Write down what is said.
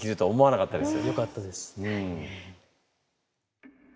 よかったです。